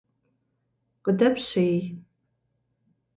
Къыдэпщей!